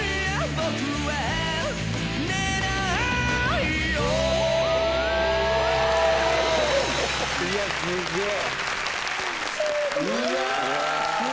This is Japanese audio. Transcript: いや、すげー。